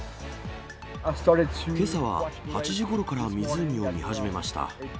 けさは８時ごろから湖を見始めました。